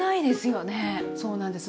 そうなんです。